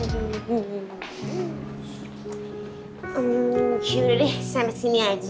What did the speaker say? yaudah deh sampai sini aja